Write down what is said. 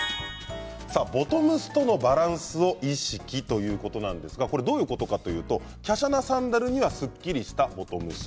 ボトムスとのバランスを意識ということなんですがどういうことかというときゃしゃなサンダルにはすっきりしたボトムス。